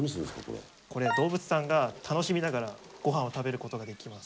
これ動物さんが楽しみながらごはんを食べることができます。